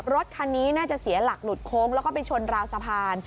รถคันนี้น่าจะเสียหลักหลุดโค้งแล้วก็ไปชนราวสะพาน